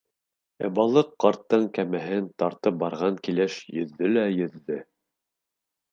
Ә балыҡ ҡарттың кәмәһен тартып барған килеш йөҙҙө лә йөҙҙө.